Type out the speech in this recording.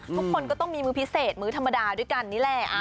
ทุกคนก็ต้องมีมื้อพิเศษมื้อธรรมดาด้วยกันนี่แหละ